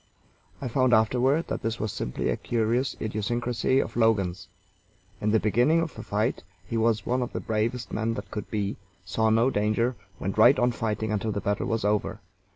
I found afterward that this was simply a curious idiosyncrasy of Logan's. In the beginning of a fight he was one of the bravest men that could be, saw no danger, went right on fighting until the battle was over.